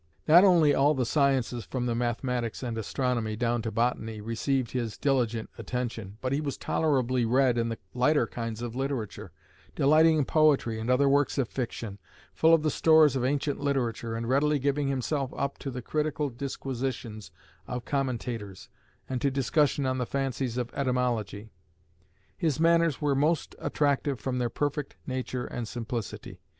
Not only all the sciences from the mathematics and astronomy, down to botany, received his diligent attention, but he was tolerably read in the lighter kinds of literature, delighting in poetry and other works of fiction, full of the stores of ancient literature, and readily giving himself up to the critical disquisitions of commentators, and to discussion on the fancies of etymology. His manners were most attractive from their perfect nature and simplicity.